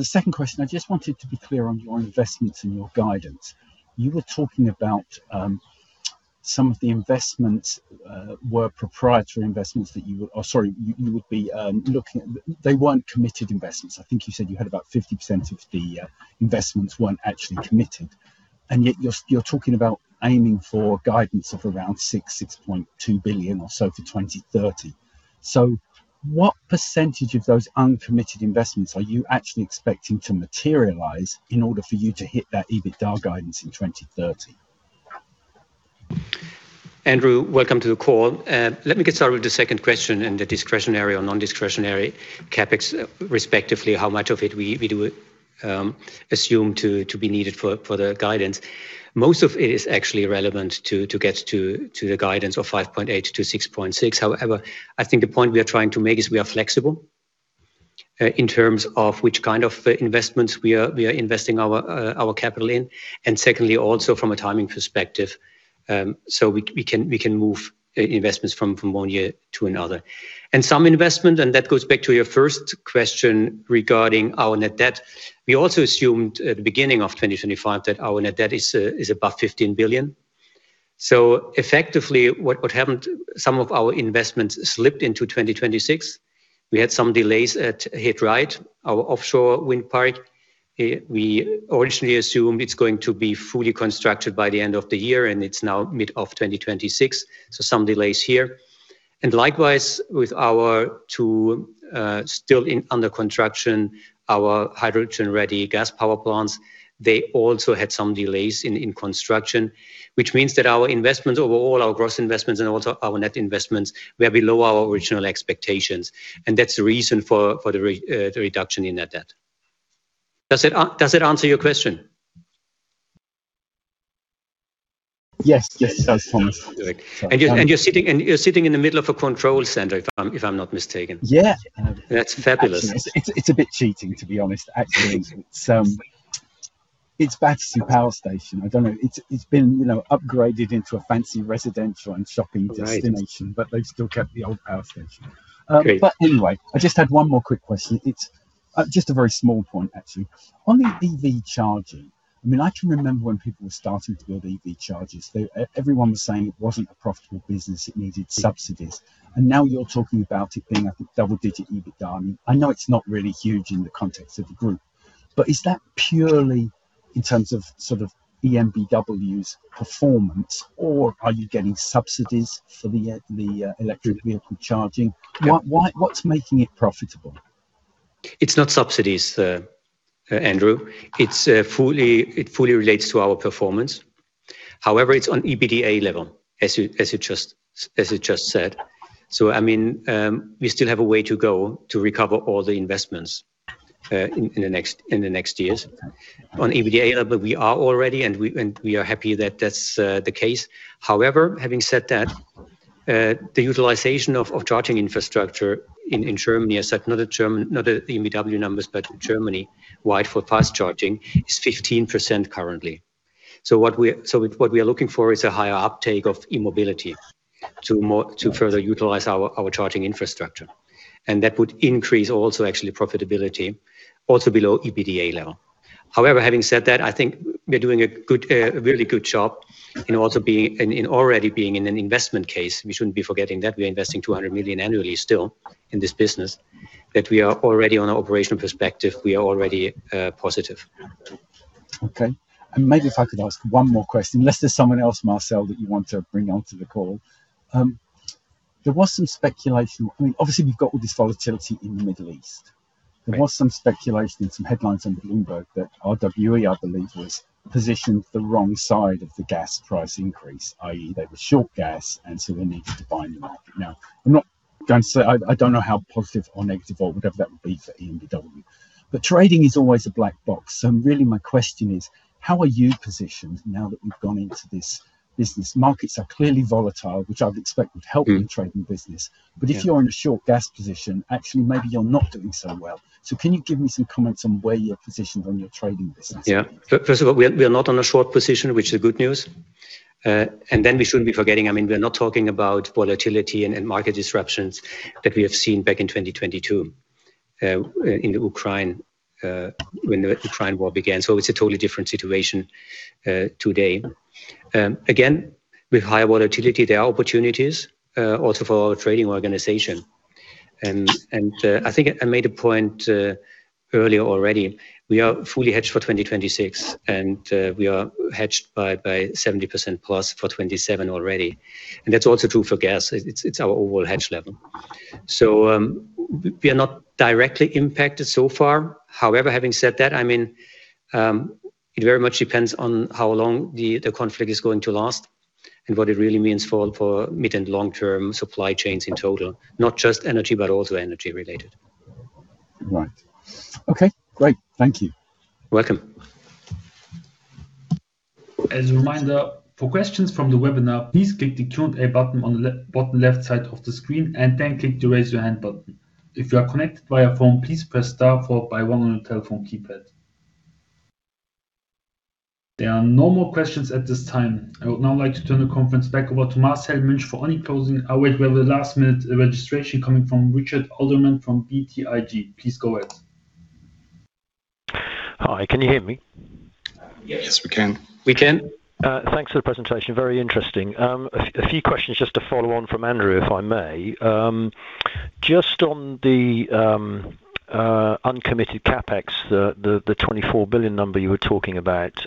the second question, I just wanted to be clear on your investments and your guidance. You were talking about some of the investments were proprietary investments that you would be looking at. They weren't committed investments. I think you said you had about 50% of the investments weren't actually committed, and yet you're talking about aiming for guidance of around 6.2 billion or so for 2030. What percentage of those uncommitted investments are you actually expecting to materialize in order for you to hit that EBITDA guidance in 2030? Andrew, welcome to the call. Let me get started with the second question and the discretionary or non-discretionary CapEx, respectively, how much of it we do assume to be needed for the guidance. Most of it is actually relevant to get to the guidance of 5.8 billion-6.6 billion. However, I think the point we are trying to make is we are flexible in terms of which kind of investments we are investing our capital in. Secondly, also from a timing perspective, so we can move investments from one year to another. That goes back to your first question regarding our net debt. We also assumed at the beginning of 2025 that our net debt is above 15 billion. Effectively, what happened, some of our investments slipped into 2026. We had some delays at He Dreiht, our offshore wind park. We originally assumed it's going to be fully constructed by the end of the year, and it's now mid of 2026, so some delays here. Likewise with our two still under construction, our hydrogen-ready gas power plants. They also had some delays in construction, which means that our investments overall, our gross investments and also our net investments, were below our original expectations. That's the reason for the reduction in net debt. Does it answer your question? Yes. Yes, it does, Thomas. You're sitting in the middle of a control center, if I'm not mistaken. Yeah. That's fabulous. It's a bit cheating, to be honest, actually. It's Battersea Power Station. I don't know. It's been, you know, upgraded into a fancy residential and shopping destination. Right. They've still kept the old power station. Great. Anyway, I just had one more quick question. It's just a very small point actually. On the EV charging, I mean, I can remember when people were starting to build EV chargers. Everyone was saying it wasn't a profitable business, it needed subsidies, and now you're talking about it being a double-digit EBITDA. I mean, I know it's not really huge in the context of the group, but is that purely in terms of sort of EnBW's performance, or are you getting subsidies for the electric vehicle charging? Why, what's making it profitable? It's not subsidies, Andrew. It fully relates to our performance. However, it's on EBITDA level, as you just said. I mean, we still have a way to go to recover all the investments in the next years. On EBITDA level, we are already and we are happy that that's the case. However, having said that, the utilization of charging infrastructure in Germany, I said not the German, not the EnBW numbers, but Germany-wide for fast charging is 15% currently. What we are looking for is a higher uptake of e-mobility to further utilize our charging infrastructure, and that would increase actually profitability also below EBITDA level. However, having said that, I think we're doing a good, a really good job in also being already in an investment case. We shouldn't be forgetting that we're investing 200 million annually still in this business, that we are already on an operational perspective, we are already positive. Okay. Maybe if I could ask one more question, unless there's someone else, Marcel, that you want to bring onto the call. There was some speculation. I mean, obviously we've got all this volatility in the Middle East. Right. There was some speculation in some headlines under Bloomberg that RWE, I believe, was positioned the wrong side of the gas price increase, i.e., they were short gas and so they needed to buy in the market. Now, I'm not going to say. I don't know how positive or negative or whatever that would be for EnBW, but trading is always a black box. Really my question is, how are you positioned now that we've gone into this business? Markets are clearly volatile, which I would expect would help the trading business. Yeah. If you're in a short gas position, actually maybe you're not doing so well. Can you give me some comments on where you're positioned on your trading business? Yeah. First of all, we are not on a short position, which is good news. Then we shouldn't be forgetting, I mean, we are not talking about volatility and market disruptions that we have seen back in 2022, in the Ukraine, when the Ukraine war began. It's a totally different situation today. Again, with high volatility, there are opportunities also for our trading organization. I think I made a point earlier already. We are fully hedged for 2026, and we are hedged by 70%+ for 2027 already. That's also true for gas. It's our overall hedge level. We are not directly impacted so far. However, having said that, I mean, it very much depends on how long the conflict is going to last and what it really means for mid and long term supply chains in total, not just energy, but also energy related. Right. Okay, great. Thank you. Welcome. As a reminder, for questions from the webinar, please click the Q&A button on the left, bottom left side of the screen and then click the Raise Your Hand button. If you are connected via phone, please press star followed by one on your telephone keypad. There are no more questions at this time. I would now like to turn the conference back over to Marcel Münch for any closing. Oh wait, we have a last-minute registration coming from Richard Sheridan from BTIG. Please go ahead. Hi, can you hear me? Yes, we can. We can. Thanks for the presentation. Very interesting. A few questions just to follow on from Andrew, if I may. Just on the uncommitted CapEx, the 24 billion number you were talking about,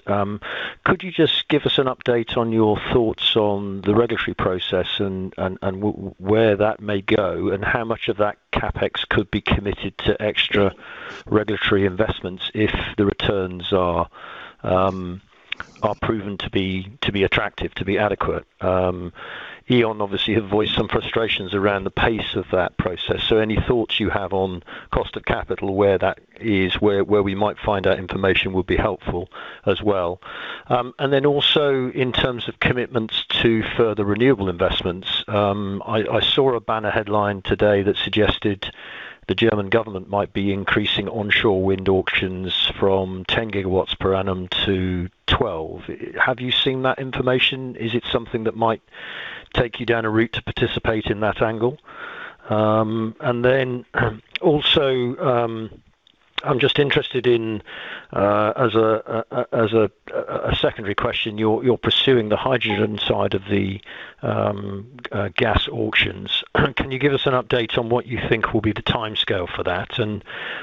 could you just give us an update on your thoughts on the regulatory process and where that may go, and how much of that CapEx could be committed to extra regulatory investments if the returns are proven to be attractive, to be adequate? E.ON SE obviously have voiced some frustrations around the pace of that process. Any thoughts you have on cost of capital, where that is, where we might find that information would be helpful as well. In terms of commitments to further renewable investments, I saw a banner headline today that suggested the German government might be increasing onshore wind auctions from 10 GW per annum to 12 GW. Have you seen that information? Is it something that might take you down a route to participate in that angle? I'm just interested in, as a secondary question, you're pursuing the hydrogen side of the gas auctions. Can you give us an update on what you think will be the timescale for that?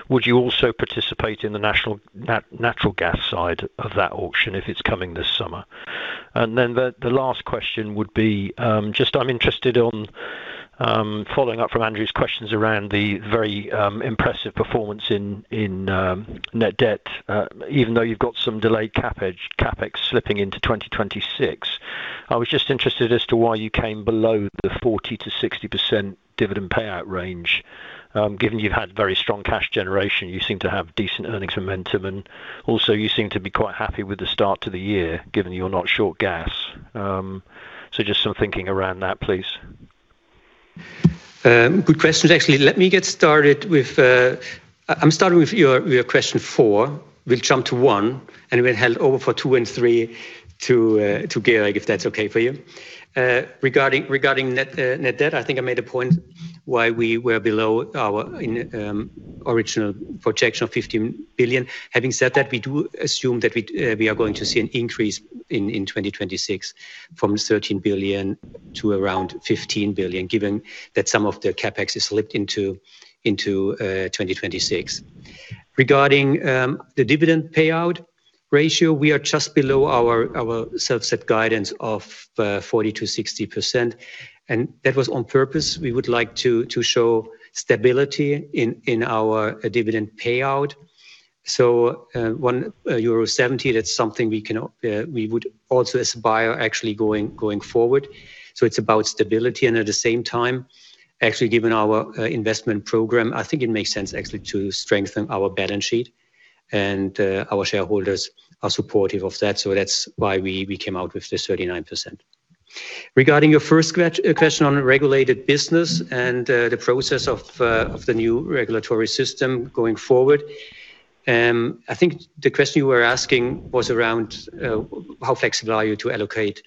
Would you also participate in the national natural gas side of that auction if it's coming this summer? The last question would be, just I'm interested on, following up from Andrew's questions around the very impressive performance in net debt, even though you've got some delayed CapEx slipping into 2026. I was just interested as to why you came below the 40%-60% dividend payout range, given you've had very strong cash generation, you seem to have decent earnings momentum, and also you seem to be quite happy with the start to the year, given you're not short gas. Just some thinking around that, please. Good questions. Actually, let me get started with. I'm starting with your question four. We'll jump to one, and we'll hand over for two and three to Georg, if that's okay for you. Regarding net debt, I think I made a point why we were below our original projection of 15 billion. Having said that, we do assume that we are going to see an increase in 2026 from 13 billion to around 15 billion, given that some of the CapEx is slipped into 2026. Regarding the dividend payout ratio, we are just below our self-set guidance of 40%-60%, and that was on purpose. We would like to show stability in our dividend payout. 1.70 euro, that's something we can, we would also aspire actually going forward. It's about stability, and at the same time, actually, given our investment program, I think it makes sense actually to strengthen our balance sheet, and our shareholders are supportive of that. That's why we came out with this 39%. Regarding your first question on regulated business and the process of the new regulatory system going forward, I think the question you were asking was around how flexible are you to allocate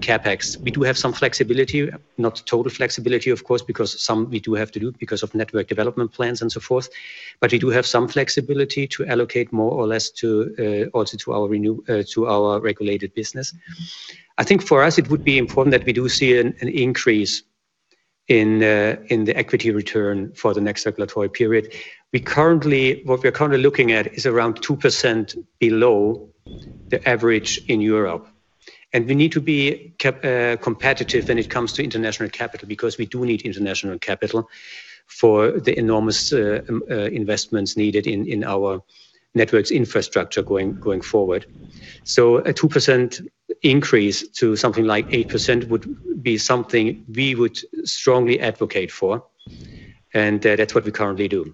CapEx. We do have some flexibility, not total flexibility of course, because some we do have to do because of network development plans and so forth. But we do have some flexibility to allocate more or less to also to our regulated business. I think for us it would be important that we do see an increase in the equity return for the next regulatory period. What we are currently looking at is around 2% below the average in Europe, and we need to be competitive when it comes to international capital, because we do need international capital for the enormous investments needed in our networks infrastructure going forward. A 2% increase to something like 8% would be something we would strongly advocate for, and that's what we currently do.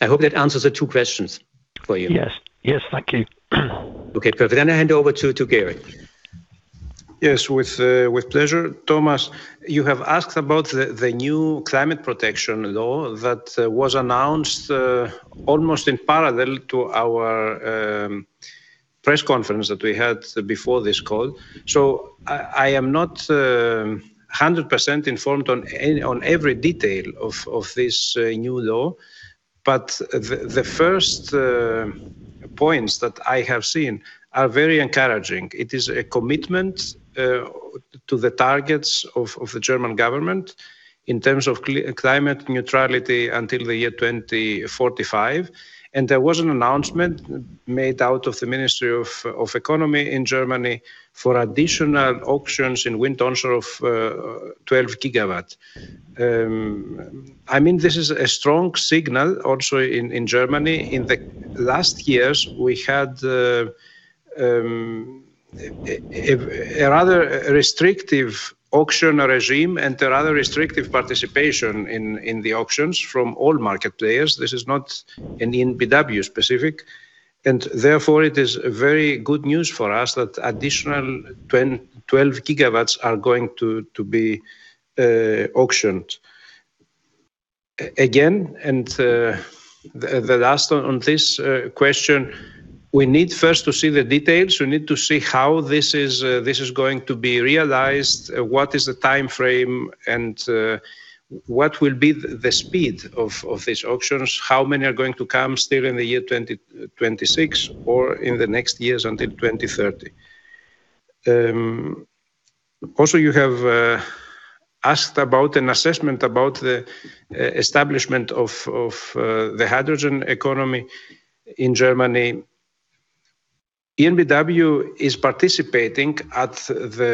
I hope that answers the two questions for you. Yes. Yes. Thank you. Okay, perfect. I hand over to Georg. Yes, with pleasure. Thomas, you have asked about the new climate protection law that was announced almost in parallel to our press conference that we had before this call. I am not 100% informed on every detail of this new law, but the first points that I have seen are very encouraging. It is a commitment to the targets of the German government in terms of climate neutrality until the year 2045. There was an announcement made out of the Ministry of Economy in Germany for additional auctions in wind onshore of 12 GW. I mean, this is a strong signal also in Germany. In the last years we had a rather restrictive auction regime and a rather restrictive participation in the auctions from all market players. This is not an EnBW specific. Therefore it is very good news for us that additional 10 GW-12 GW are going to be auctioned. Again, the last one on this question. We need first to see the details. We need to see how this is going to be realized, what is the timeframe, and what will be the speed of these auctions, how many are going to come still in the year 2026 or in the next years until 2030. Also you have asked about an assessment about the establishment of the hydrogen economy in Germany. EnBW is participating at the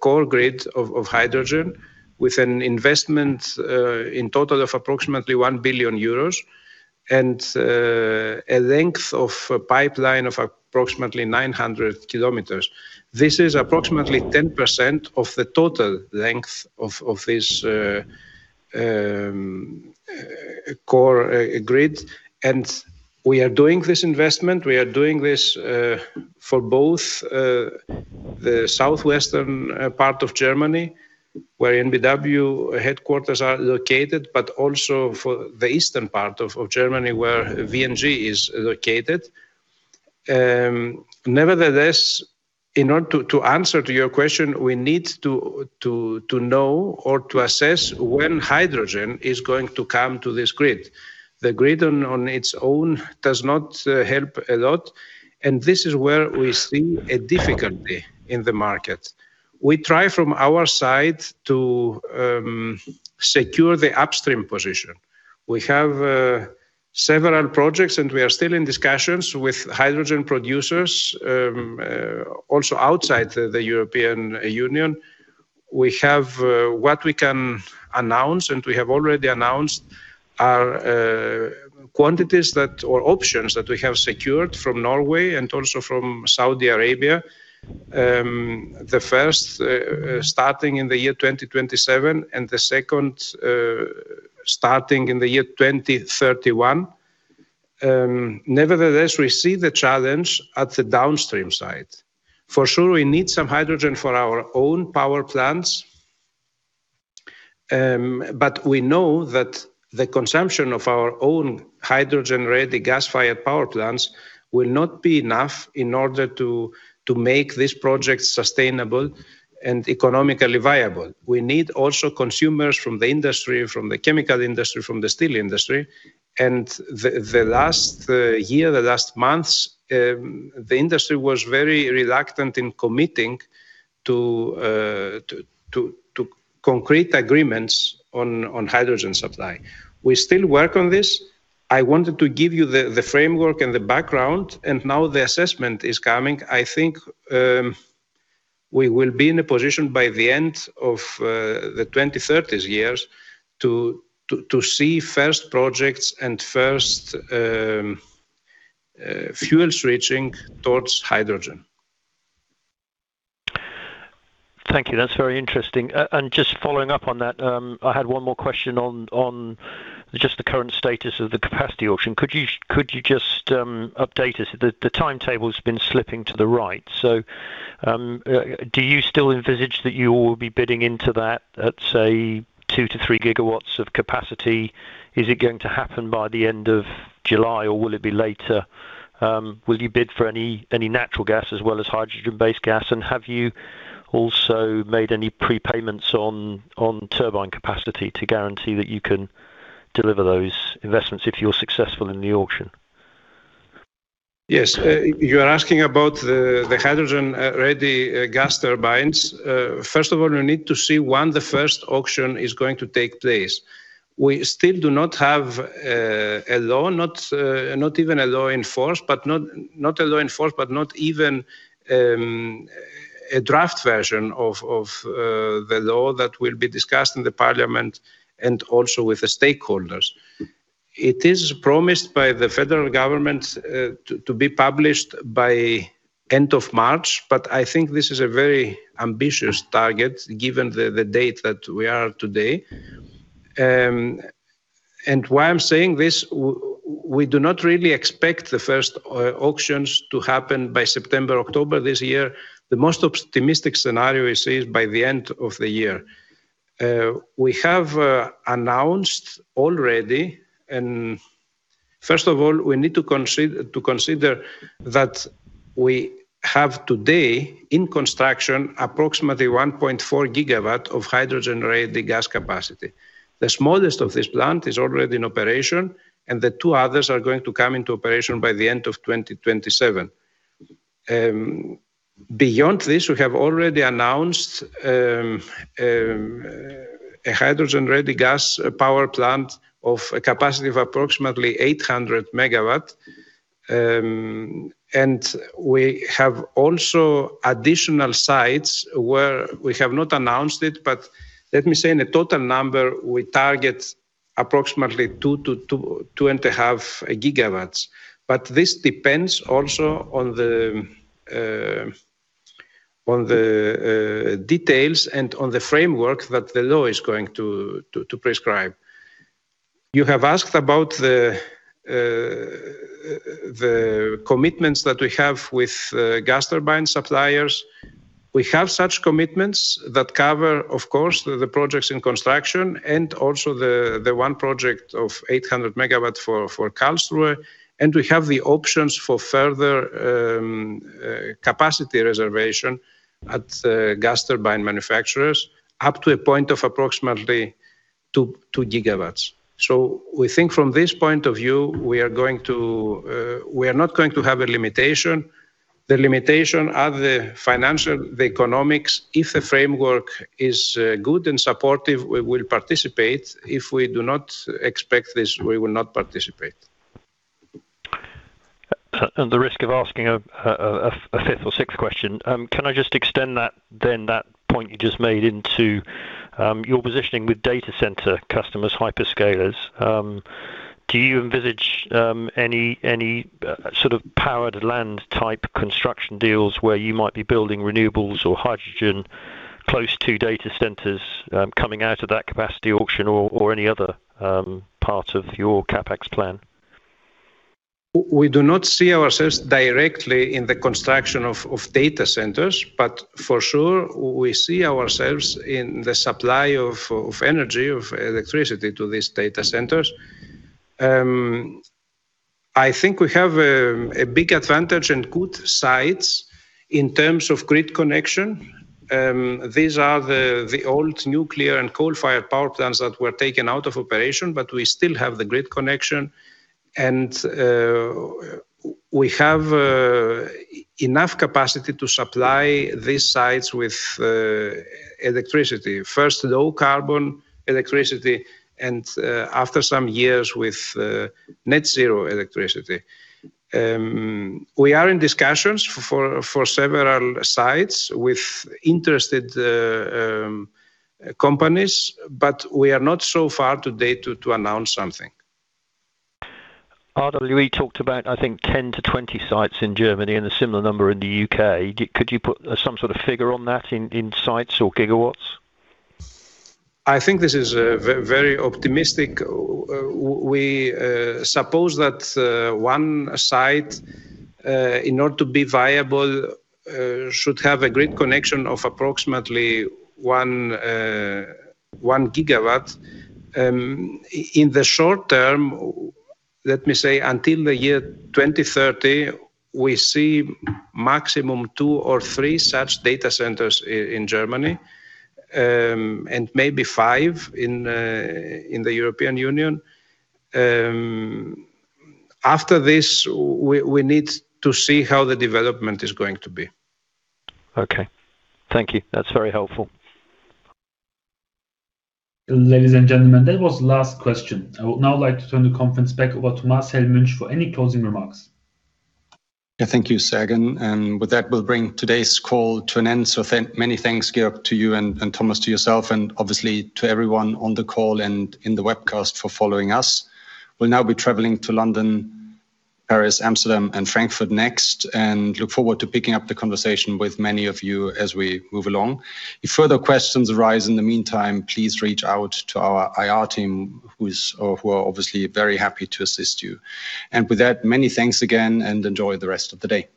core grid of hydrogen with an investment in total of approximately 1 billion euros and a length of a pipeline of approximately 900 km. This is approximately 10% of the total length of this core grid. We are doing this investment for both the southwestern part of Germany, where EnBW headquarters are located, but also for the eastern part of Germany, where VNG is located. Nevertheless, in order to answer to your question, we need to know or to assess when hydrogen is going to come to this grid. The grid on its own does not help a lot, and this is where we see a difficulty in the market. We try from our side to secure the upstream position. We have several projects, and we are still in discussions with hydrogen producers also outside the European Union. We have what we can announce, and we have already announced our quantities or options that we have secured from Norway and also from Saudi Arabia. The first starting in the year 2027, and the second starting in the year 2031. Nevertheless, we see the challenge at the downstream side. For sure, we need some hydrogen for our own power plants, but we know that the consumption of our own hydrogen-ready gas-fired power plants will not be enough in order to make this project sustainable and economically viable. We need also consumers from the industry, from the chemical industry, from the steel industry, and the last year, the last months, the industry was very reluctant in committing to concrete agreements on hydrogen supply. We still work on this. I wanted to give you the framework and the background, and now the assessment is coming. I think we will be in a position by the end of the 2030s to see first projects and first fuel switching towards hydrogen. Thank you. That's very interesting. Just following up on that, I had one more question on just the current status of the capacity auction. Could you just update us? The timetable's been slipping to the right, so do you still envisage that you will be bidding into that at, say, 2 GW-3 GW of capacity? Is it going to happen by the end of July, or will it be later? Will you bid for any natural gas as well as hydrogen-based gas? And have you also made any prepayments on turbine capacity to guarantee that you can deliver those investments if you're successful in the auction? Yes. You're asking about the hydrogen-ready gas turbines. First of all, we need to see when the first auction is going to take place. We still do not have a law, not even a law in force, but not even a draft version of the law that will be discussed in the parliament and also with the stakeholders. It is promised by the federal government to be published by end of March, but I think this is a very ambitious target given the date that we are today. Why I'm saying this, we do not really expect the first auctions to happen by September, October this year. The most optimistic scenario we see is by the end of the year. We have announced already. First of all, we need to consider that we have today in construction approximately 1.4 GW of hydrogen-ready gas capacity. The smallest of this plant is already in operation, and the two others are going to come into operation by the end of 2027. Beyond this, we have already announced a hydrogen-ready gas power plant of a capacity of approximately 800 MW. We have also additional sites where we have not announced it, but let me say in a total number, we target approximately 2 GW-2.5 GW. This depends also on the details and on the framework that the law is going to prescribe. You have asked about the commitments that we have with gas turbine suppliers. We have such commitments that cover, of course, the projects in construction and also the one project of 800 MW for Karlsruhe, and we have the options for further capacity reservation at the gas turbine manufacturers up to a point of approximately 2 GW. We think from this point of view, we are not going to have a limitation. The limitation are the financial, the economics. If the framework is good and supportive, we will participate. If we do not expect this, we will not participate. At the risk of asking a fifth or sixth question, can I just extend that then, that point you just made into your positioning with data center customers, hyperscalers. Do you envisage any sort of power plant-type construction deals where you might be building renewables or hydrogen close to data centers, coming out of that capacity auction or any other part of your CapEx plan? We do not see ourselves directly in the construction of data centers, but for sure, we see ourselves in the supply of energy, of electricity to these data centers. I think we have a big advantage and good sites in terms of grid connection. These are the old nuclear and coal-fired power plants that were taken out of operation, but we still have the grid connection. We have enough capacity to supply these sites with electricity. First, low carbon electricity and after some years with net zero electricity. We are in discussions for several sites with interested companies, but we are not so far to date to announce something. RWE talked about, I think, 10-20 sites in Germany and a similar number in the U.K. Could you put some sort of figure on that in sites or gigawatts? I think this is very optimistic. We suppose that one site in order to be viable should have a grid connection of approximately one gigawatt. In the short term, let me say until the year 2030, we see maximum two or three such data centers in Germany, and maybe five in the European Union. After this, we need to see how the development is going to be. Okay. Thank you. That's very helpful. Ladies and gentlemen, that was the last question. I would now like to turn the conference back over to Marcel Münch for any closing remarks. Yeah, thank you, Sergen. With that, we'll bring today's call to an end. Many thanks, Georg, to you and Thomas to yourself, and obviously to everyone on the call and in the webcast for following us. We'll now be traveling to London, Paris, Amsterdam, and Frankfurt next, and look forward to picking up the conversation with many of you as we move along. If further questions arise in the meantime, please reach out to our IR team who is or who are obviously very happy to assist you. With that, many thanks again and enjoy the rest of the day. Bye.